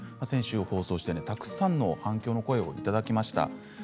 先週放送して、たくさんの反響の声をいただきました。